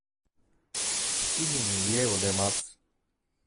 七時に家を出ます。